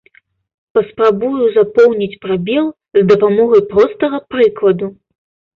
Паспрабую запоўніць прабел з дапамогай простага прыкладу.